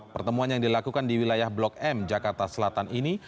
pertemuan yang dilakukan di wilayah blok m jakarta selatan ini